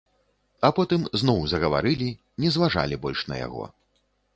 А потым зноў загаварылі, не зважалі больш на яго.